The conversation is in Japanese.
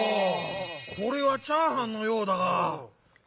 これは「チャーハン」のようだが。